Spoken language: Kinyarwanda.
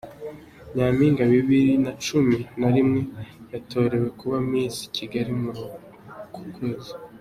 Nyaminga Bibiri Nacumi Narimwe yatorewe kuba Misi Kigali Murukukwezi